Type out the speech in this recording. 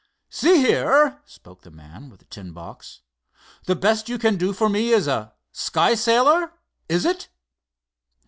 "See here," spoke the man with the tin box, "the best you can do for me is a sky sailor, is it?"